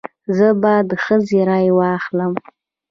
زه به د ښځې رای واخلم.